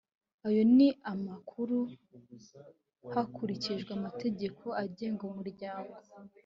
ayo ni amakuru hakurikijwe amategeko agenga umuryango